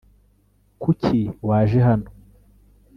kuki waje hano